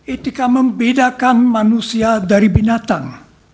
etika membedakan manusia dari binatang